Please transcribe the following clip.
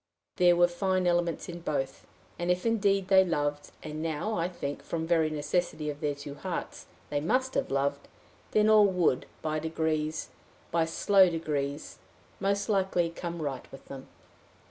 There were fine elements in both, and, if indeed they loved, and now I think, from very necessity of their two hearts, they must have loved, then all would, by degrees, by slow degrees, most likely, come right with them.